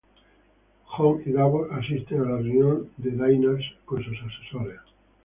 Jon y Davos asisten a la reunión de Daenerys con sus asesores.